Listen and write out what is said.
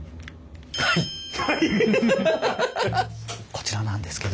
こちらなんですけど。